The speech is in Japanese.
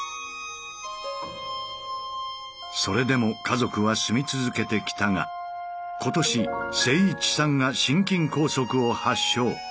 それでも家族は住み続けてきたが今年誠一さんが心筋梗塞を発症。